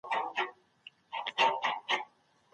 تاريخي څېړنه ولي اړينه ده؟